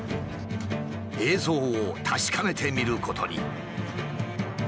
映像を確かめてみることに。